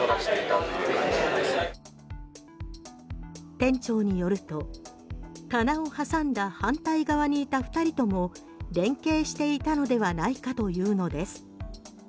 店長によると棚を挟んだ反対側にいた２人とも連携していたのではないかというのです。